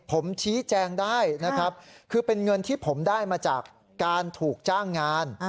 ผมชี้แจงได้นะครับคือเป็นเงินที่ผมได้มาจากการถูกจ้างงาน